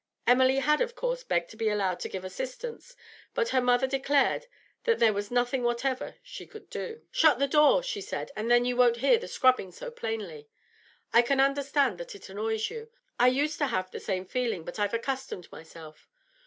Emily had, of course, begged to be allowed to give assistance, but her mother declared that there was nothing whatever she could do. 'Shut the door,' she said, 'and then you won't hear the scrubbing so plainly. I can understand that it annoys you; I used to have the same feeling, but I've accustomed myself.